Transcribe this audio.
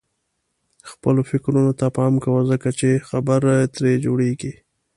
خپلو فکرونو ته پام کوه ځکه چې خبرې ترې جوړيږي.